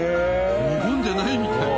日本じゃないみたい。